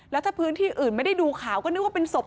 แล้วถ้าพื้นที่อื่นไม่ได้ดูข่าวก็นึกว่าเป็นศพ